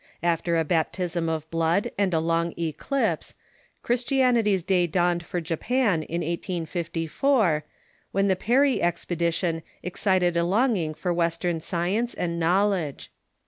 After a baptism of blood and a long eclipse, Christianity's day dawned for Japan in 1854, when the Perry expedition excited a longing for \yest ern science and knowledge.